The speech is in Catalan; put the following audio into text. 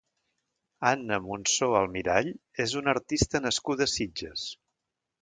Anna Monzó Almirall és una artista nascuda a Sitges.